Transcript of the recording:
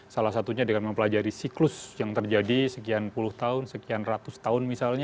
salah satunya dengan mempelajari siklus yang terjadi sekian puluh tahun sekian ratus tahun misalnya